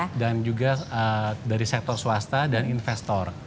betul dan juga dari sektor swasta dan investor